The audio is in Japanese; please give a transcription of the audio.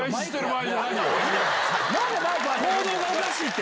行動がおかしいって！